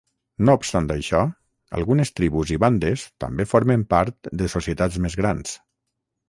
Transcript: No obstant això, algunes tribus i bandes també formen part de societats més grans.